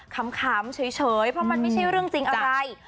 ขำเฉยเพราะมันไม่ใช่เรื่องจริงอะไร